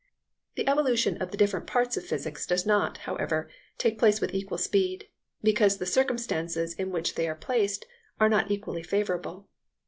The evolution of the different parts of physics does not, however, take place with equal speed, because the circumstances in which they are placed are not equally favourable.